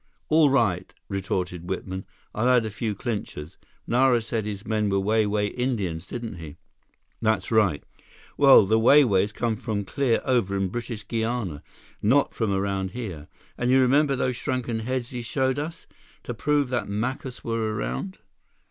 "All right," retorted Whitman, "I'll add a few clinchers. Nara said his men were Wai Wai Indians, didn't he?" "That's right." "Well, the Wai Wais come from clear over in British Guiana, not from around here. And you remember those shrunken heads he showed us? To prove that Macus were around?"